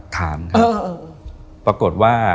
ถามครับปรากฏว่า